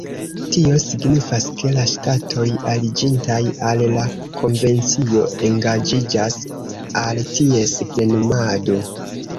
Tio signifas, ke la ŝtatoj aliĝintaj al la konvencio engaĝiĝas al ties plenumado.